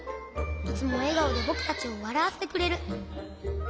いつもえがおでぼくたちをわらわせてくれる。